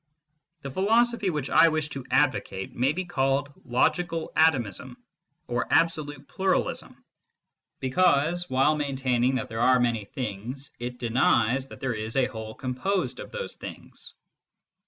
The philosophy which I wish to advocate may be called logical atomism or absolute pluralism, because, while maintaining that there are many things, it denies that there is a whole composed of those things.